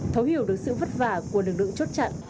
thấu hiểu được sự vất vả của lực lượng chốt chặn